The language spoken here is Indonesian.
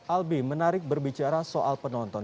albi menarik berbicara soal penonton